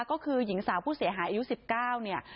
ก็คือหญิงสาวผู้เสียหายอายุ๑๙เนี่ย